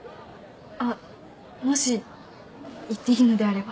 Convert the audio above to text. あっもし行っていいのであれば。